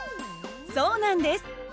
そうなんです。